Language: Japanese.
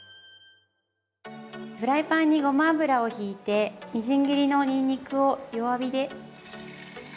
フライパンにごま油をひいてみじん切りのにんにくを弱火で。